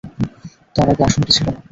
তার আগে আসনটি ছিল না।